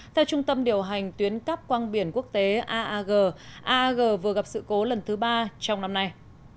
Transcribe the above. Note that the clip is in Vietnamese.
theo trung tâm điều hành tuyến cắp quang biển quốc tế aag ag vừa gặp sự cố lần thứ ba trong năm nay